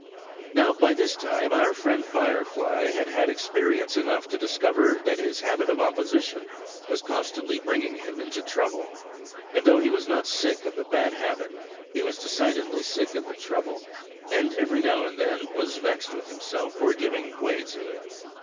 Now, by this time, our friend Firefly had had experience enough to discover that his habit of opposition was constantly bringing him into trouble. And though he was not sick of the bad habit, he was decidedly sick of the trouble, and every now and then was vexed with himself for giving way to it.